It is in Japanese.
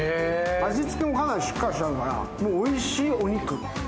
味付けもかなりしっかりしてるから、もうおいしいお肉。